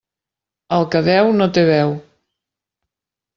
El que deu, no té veu.